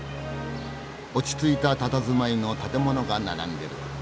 落ち着いたたたずまいの建物が並んでる。